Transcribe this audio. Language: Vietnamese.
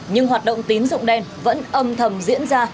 nhưng hoạt động tín dụng đen vẫn âm thầm diễn ra